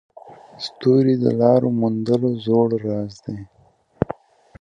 ستوري د لارو موندلو زوړ راز دی.